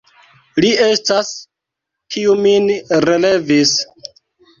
Li estas, kiu min relevis.